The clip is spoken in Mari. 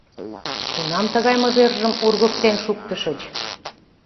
— Кунам тыгай мыжержым ургыктен шуктышыч?